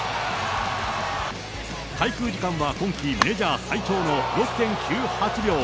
滞空時間は今季メジャー最長の６．９８秒。